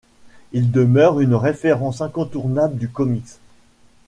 Il demeure une référence incontournable du comics.